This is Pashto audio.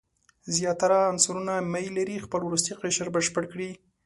زیاتره عنصرونه میل لري خپل وروستی قشر بشپړ کړي.